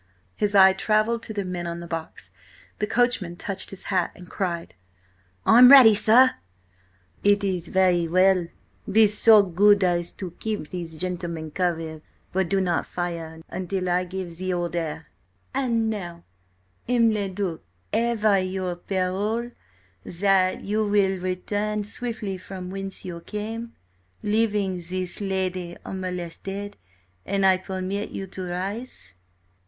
His eye travelled to the men on the box. The coachman touched his hat and cried: "I'm ready, sir!" "It is very well. Be so good as to keep these gentlemen covered, but do not fire until I give the order. And now, M. le Duc, have I your parole that you will return swiftly from whence you came, leaving this lady unmolested, an I permit you to rise?"